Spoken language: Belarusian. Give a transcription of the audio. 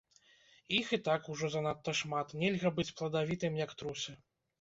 Іх і так ужо занадта шмат, нельга быць пладавітым, як трусы.